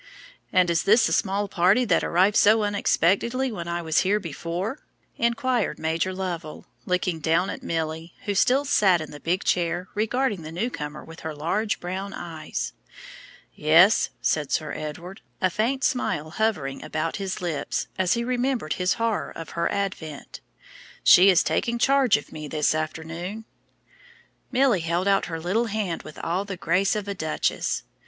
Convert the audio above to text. "And is this the small party that arrived so unexpectedly when I was here before?" inquired Major Lovell, looking down at Milly, who still sat in the big chair, regarding the new comer with her large brown eyes. "Yes," said Sir Edward, a faint smile hovering about his lips as he remembered his horror of her advent; "she is taking charge of me this afternoon." Milly held out her little hand with all the grace of a duchess.